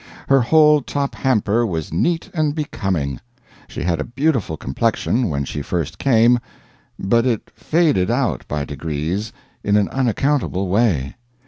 Her whole top hamper was neat and becoming. She had a beautiful complexion when she first came, but it faded out by degrees in an unaccountable way.